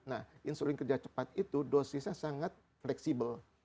nah insulin kerja cepat itu dosisnya sangat fleksibel